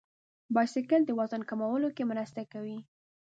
بایسکل د وزن کمولو کې مرسته کوي.